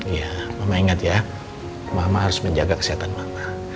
iya mama ingat ya mama harus menjaga kesehatan mama